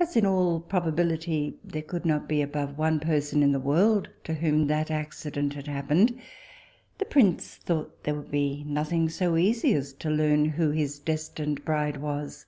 As in all probability there could not be above one person in the world to whom that accident had happened, the prince thought there would be nothing so easy as to learn who his destined bride was.